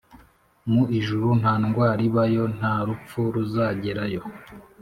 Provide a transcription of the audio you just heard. Mu ijuru nta ndwar'ibayo, nta rupfu ruzagerayo